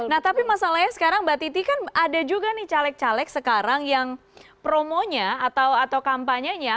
nah tapi masalahnya sekarang mbak titi kan ada juga nih caleg caleg sekarang yang promonya atau kampanyenya